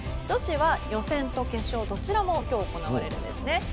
女子は予選と決勝どちらも今日行われるんですね。